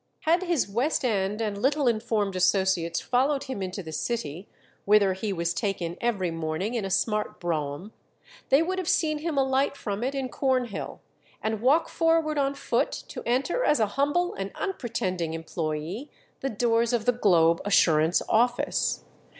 Had his West End and little informed associates followed him into the city, whither he was taken every morning in a smart brougham, they would have seen him alight from it in Cornhill, and walk forward on foot to enter as a humble and unpretending employé the doors of the Globe Assurance office.